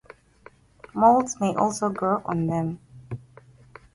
Molds may also grow on them.